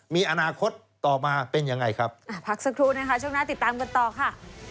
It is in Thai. มีอนาคตต่อมาเป็นยังไงครับอ่าพักสักครู่นะคะช่วงหน้าติดตามกันต่อค่ะ